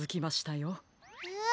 え？